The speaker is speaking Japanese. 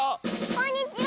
「こんにちは！」